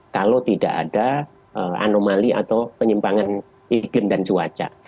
kalau tidak ada anomali atau penyimpangan iklim dan cuaca